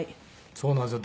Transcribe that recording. そうなんですよ。